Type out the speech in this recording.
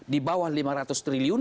di bawah lima ratus triliun